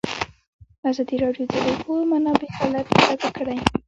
ازادي راډیو د د اوبو منابع حالت په ډاګه کړی.